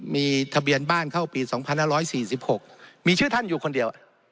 มีทะเบียนบ้านเข้าปีสองพันห้าร้อยสี่สิบหกมีชื่อท่านอยู่คนเดียว